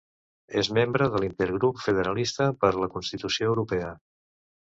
És membre de l'Intergrup Federalista per la Constitució Europea.